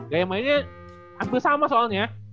gaya mainnya hampir sama soalnya